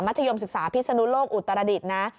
ธยมศึกษาพิศนุโลกอุตรดิษฐ์นะ